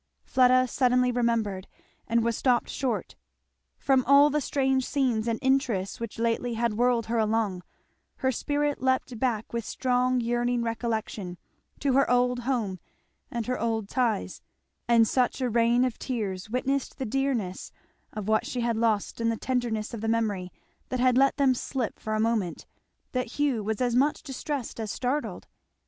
Fleda suddenly remembered, and was stopped short. From all the strange scenes and interests which lately had whirled her along, her spirit leaped back with strong yearning recollection to her old home and her old ties; and such a rain of tears witnessed the dearness of what she had lost and the tenderness of the memory that had let them slip for a moment, that Hugh was as much distressed as startled.